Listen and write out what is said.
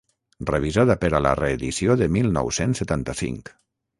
Revisada per a la reedició de mil nou-cents setanta-cinc.